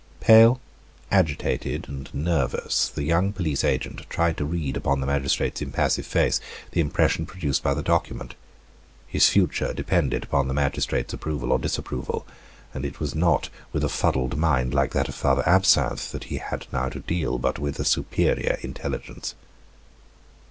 Pale, agitated, and nervous, the young police agent tried to read upon the magistrate's impassive face the impression produced by the document. His future depended upon the magistrate's approval or disapproval; and it was not with a fuddled mind like that of Father Absinthe that he had now to deal, but with a superior intelligence.